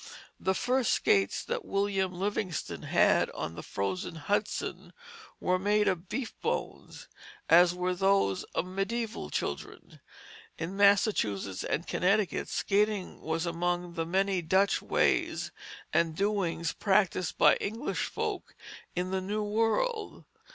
The first skates that William Livingstone had on the frozen Hudson were made of beef bones, as were those of mediæval children. In Massachusetts and Connecticut, skating was among the many Dutch ways and doings practised by English folk in the new world.